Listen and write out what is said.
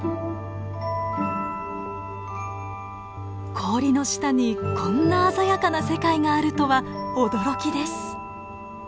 氷の下にこんな鮮やかな世界があるとは驚きです。